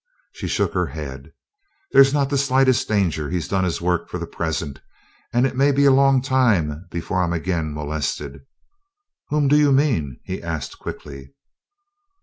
She shook her head. "There's not the slightest danger. He's done his work for the present, and it may be a long time before I'm again molested." "Whom do you mean?" he asked quickly.